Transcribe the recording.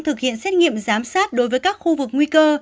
thực hiện xét nghiệm giám sát đối với các khu vực nguy cơ